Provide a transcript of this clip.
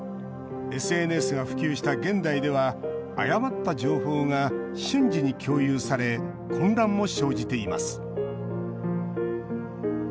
ＳＮＳが普及した現代では誤った情報が瞬時に共有され混乱も生じています。